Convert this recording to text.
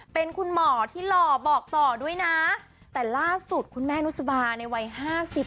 เป็นคุณหมอที่หล่อบอกต่อด้วยนะแต่ล่าสุดคุณแม่นุสบาในวัยห้าสิบ